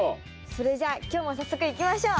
それじゃ今日も早速いきましょう。